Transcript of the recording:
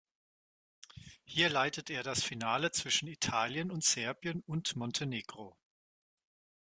Hier leitete er das Finale zwischen Italien und Serbien und Montenegro.